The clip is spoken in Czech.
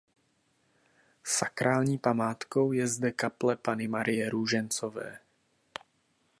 Sakrální památkou je zde kaple Panny Marie Růžencové.